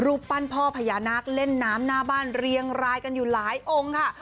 ปั้นพ่อพญานาคเล่นน้ำหน้าบ้านเรียงรายกันอยู่หลายองค์ค่ะ